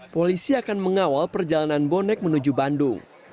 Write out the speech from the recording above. polisi akan mengawal perjalanan bonek menuju bandung